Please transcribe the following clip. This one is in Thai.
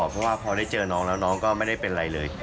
เพราะว่าพอได้เจอน้องแล้วน้องก็ไม่ได้เป็นอะไรเลย